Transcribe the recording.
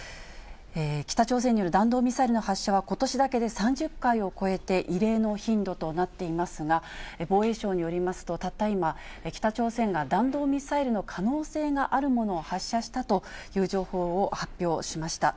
北朝鮮による弾道ミサイルの発射はことしだけで３０回を超えて、異例の頻度となっていますが、防衛省によりますと、たった今、北朝鮮が弾道ミサイルの可能性があるものを発射したという情報を発表しました。